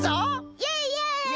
イエイイエイ！